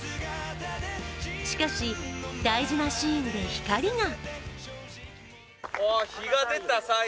しかし大事なシーンで光が。